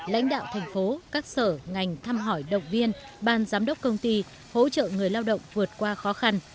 lãnh đạo thành phố các sở ngành thăm hỏi động viên ban giám đốc công ty hỗ trợ người lao động vượt qua khó khăn